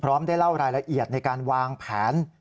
ได้เล่ารายละเอียดในการวางแผน